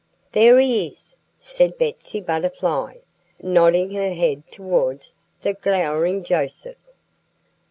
"There he is!" said Betsy Butterfly, nodding her head towards the glowering Joseph.